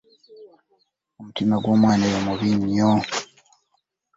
Omutima gw'omwana oyo mubi nnyo.